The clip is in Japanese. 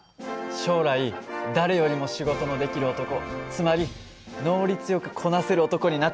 将来誰よりも仕事のできる男つまり能率よくこなせる男になってみせる！